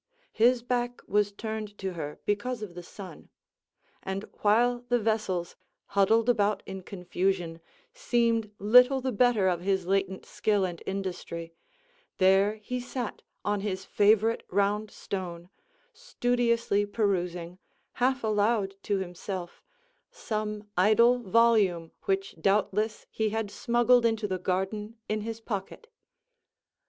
His back was turned to her, because of the sun; and while the vessels, huddled about in confusion, seemed little the better of his latent skill and industry, there he sat on his favorite round stone, studiously perusing, half aloud to himself, some idle volume which doubtless he had smuggled into the garden in his pocket.